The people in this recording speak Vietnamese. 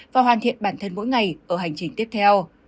và hoàn thiện bản thân mỗi ngày ở hành trình tiếp theo